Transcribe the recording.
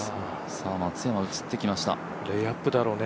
さあ、松山映ってきました。